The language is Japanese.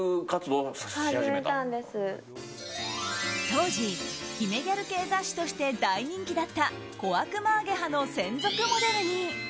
当時、姫ギャル系雑誌として大人気だった「小悪魔ａｇｅｈａ」の専属モデルに。